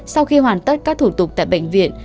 sau khi hoàn tất các thủ tục tại bệnh viện